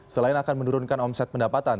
selain akan menurunkan omset pendapatan